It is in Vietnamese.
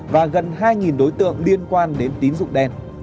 và gần hai đối tượng liên quan đến tín dụng đen